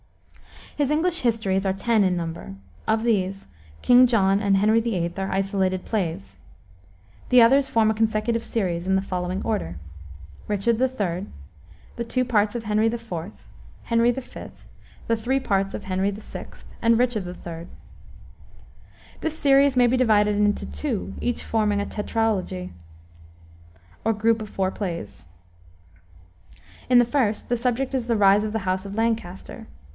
His English histories are ten in number. Of these King John and Henry VIII. are isolated plays. The others form a consecutive series, in the following order: Richard III., the two parts of Henry IV., Henry V., the three parts of Henry VI., and Richard III. This series may be divided into two, each forming a tetralogy, or group of four plays. In the first the subject is the rise of the house of Lancaster.